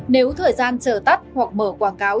nếu thời gian chờ tắt hoặc mở quảng cáo